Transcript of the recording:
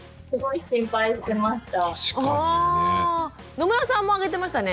野村さんも挙げてましたね。